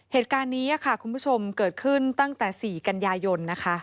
เหตุการณ์นี้ค่ะคุณผู้ชมเกิดขึ้นตั้งแต่๔กันยายนนะคะ